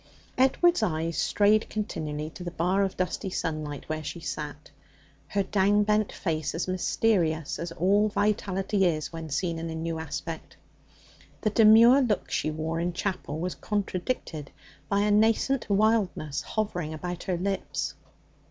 Edward's eyes strayed continually to the bar of dusty sunlight where she sat, her down bent face as mysterious as all vitality is when seen in a new aspect. The demure look she wore in chapel was contradicted by a nascent wildness hovering about her lips.